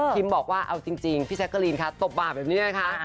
บอกว่าเอาจริงพี่แจ๊กกะรีนค่ะตบบาปแบบนี้นะคะ